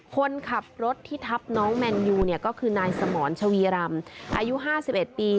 คนขับรถที่ทับน้องแมนยูเนี่ยก็คือนายสมรชวีรำอายุ๕๑ปี